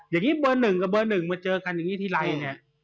อย่างนี้เบอร์๑กับเบอร์๑มาเจอกันอย่างนี้ทีไรเนี่ย